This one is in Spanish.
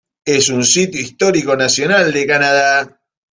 Es un sitio histórico nacional de Canadá.